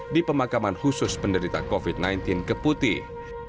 di pemakaman khusus penderita covid sembilan belas ke putih